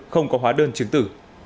không có hóa đơn chứng tử